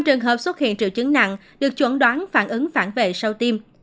hai trường hợp xuất hiện triệu chứng nặng được chuẩn đoán phản ứng phản vệ sau tiêm